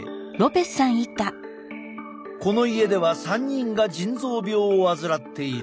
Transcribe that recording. この家では３人が腎臓病を患っている。